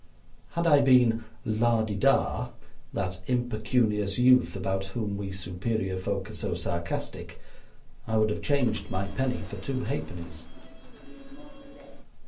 Had I been "La di da," that impecunious youth about whom we superior folk are so sarcastic, I would have changed my penny for two ha'pennies.